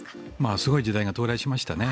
すごい時代が到来しましたね。